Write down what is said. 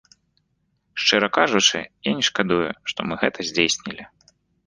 Шчыра кажучы, я не шкадую, што мы гэта здзейснілі.